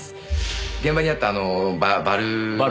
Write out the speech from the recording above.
現場にあったあのババル。